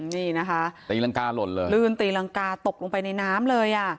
นี่นะคะตีรังกาหล่นเลยลื่นตีรังกาตกลงไปในน้ำเลยอ่ะ